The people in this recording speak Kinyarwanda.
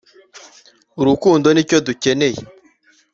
urukundo nicyo dukeneye